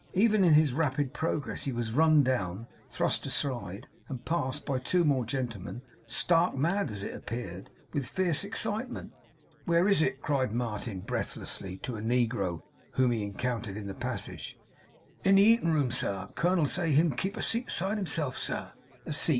Even in his rapid progress he was run down, thrust aside, and passed, by two more gentlemen, stark mad, as it appeared, with fierce excitement. 'Where is it?' cried Martin, breathlessly, to a negro whom he encountered in the passage. 'In a eatin room, sa. Kernell, sa, him kep a seat 'side himself, sa.' 'A seat!